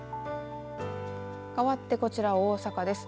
かわって、こちら大阪です。